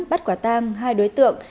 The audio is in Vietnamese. bắt quả tang hai đối tượng